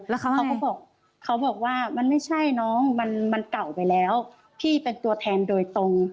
แล้วเขาก็บอกเขาบอกว่ามันไม่ใช่น้องมันเก่าไปแล้วพี่เป็นตัวแทนโดยตรง